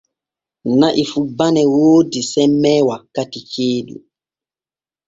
Na'i fu bane woodi semme wakkati ceeɗu.